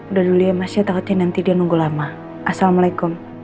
udah dulu ya mas ya takutnya nanti dia nunggu lama assalamualaikum